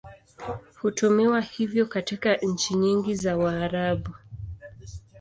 Hutumiwa hivyo katika nchi nyingi za Waarabu.